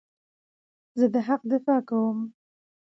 زه د حق دفاع کوم.